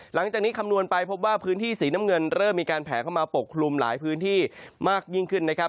หลังจากนี้คำนวณไปพบว่าพื้นที่สีน้ำเงินเริ่มมีการแผลเข้ามาปกคลุมหลายพื้นที่มากยิ่งขึ้นนะครับ